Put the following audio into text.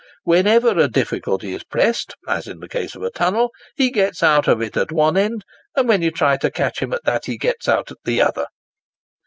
Whenever a difficulty is pressed, as in the case of a tunnel, he gets out of it at one end, and when you try to catch him at that, he gets out at the other."